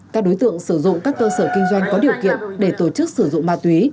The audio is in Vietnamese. các đối tượng sử dụng các cơ sở kinh doanh có điều kiện để tổ chức sử dụng ma túy